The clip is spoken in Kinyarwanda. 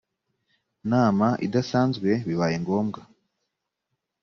nama idasanzwe bibaye ngombwa